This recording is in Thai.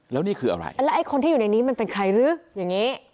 แล้วนี่คืออะไรแล้วไอ้คนที่อยู่ในนี้มันเป็นใครหรืออย่างนี้